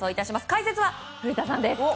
解説は古田さんです。